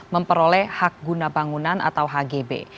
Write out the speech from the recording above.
memperoleh hak guna bangunan atau hgb